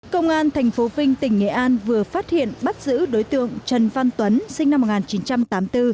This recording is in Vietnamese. công an tp vinh tỉnh nghệ an vừa phát hiện bắt giữ đối tượng trần văn tuấn sinh năm một nghìn chín trăm tám mươi bốn